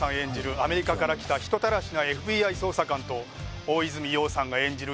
アメリカから来た人たらしなＦＢＩ捜査官と大泉洋さんが演じる